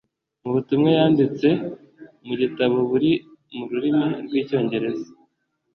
Mu butumwa yanditse mu gitabo buri mu rurimi rw’icyongereza